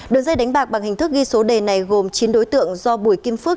đường dây đánh bạc bằng hình thức ghi số đề này gồm chín đối tượng do bùi kim phước